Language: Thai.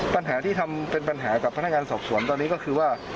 ปัญหาที่ทำเป็นปัญหากับพนักงานสอบสวนตอนนี้ก็คือว่า